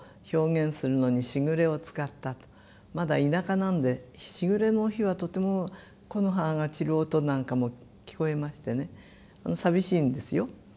まだ田舎なんで時雨の日はとても木の葉が散る音なんかも聞こえましてね寂しいんですよ。